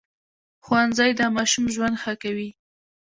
ښوونځی د ماشوم ژوند ښه کوي